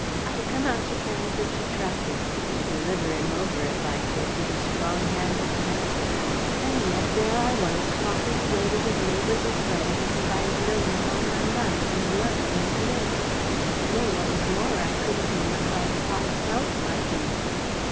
I had come out to Canada to track him, to deliver him over, if I could, to the strong hand of Justice. And yet, there I was talking away with his neighbours and friends as if I had known them all my life, and loved them dearly. Nay, what was more, I couldn't in my heart of hearts help liking them.